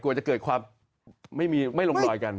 จะเกิดความไม่ลงรอยกัน